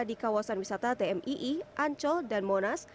di kawasan wisata tmii ancol dan monas